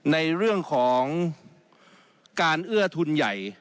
ในเรื่องของการเอื้อทุนใหญ่